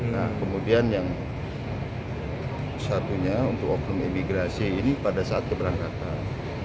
nah kemudian yang satunya untuk oknum imigrasi ini pada saat keberangkatan